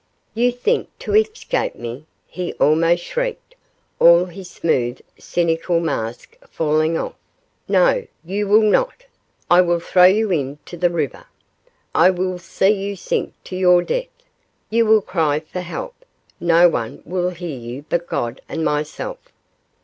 'You think to escape me,' he almost shrieked, all his smooth cynical mask falling off; 'no, you will not; I will throw you into the river. I will see you sink to your death. You will cry for help. No one will hear you but God and myself.